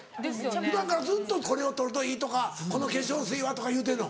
普段からずっと「これを取るといい」とか「この化粧水は」とか言うてるの？